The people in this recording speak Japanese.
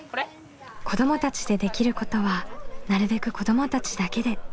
子どもたちでできることはなるべく子どもたちだけで。